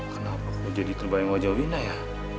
kenapa kok jadi terbayang wajah wina ya